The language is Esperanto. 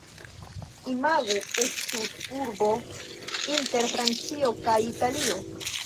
Imagu estus urbo inter Francio kaj Italio.